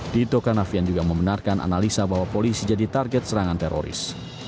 tito karnavian juga membenarkan analisa bahwa polisi jadi target serangan teroris